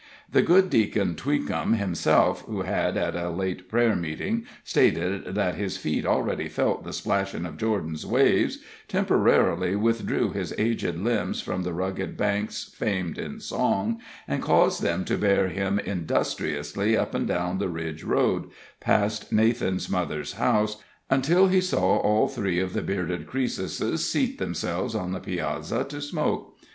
The good Deacon Twinkham himself, who had, at a late prayer meeting, stated that "his feet already felt the splashin' of Jordan's waves," temporarily withdrew his aged limbs from the rugged banks famed in song, and caused them to bear him industriously up and down the Ridge Road, past Nathan's mother's house, until he saw all three of the bearded Croesuses seat themselves on the piazza to smoke.